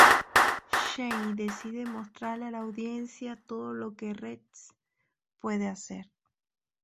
Shane decide mostrarle a la audiencia todo lo que Rex puede hacer.